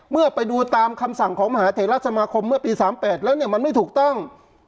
เมื่อไปดูตามคำสั่งของมหาเทราสมาคมเมื่อปี๓๘แล้วเนี่ยมันไม่ถูกต้อง